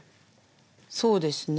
そうですね。